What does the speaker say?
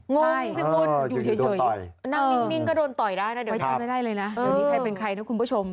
งงสืบสวนอยู่เฉยนั่งนิ่งก็โดนต่อยได้นะเดี๋ยวนี้ใครเป็นใครนะคุณผู้ชม